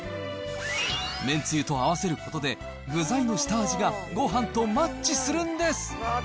めんつゆと合わせることで、具材の下味がごはんとマッチするんです。